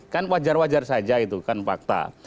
kan wajar wajar saja itu kan fakta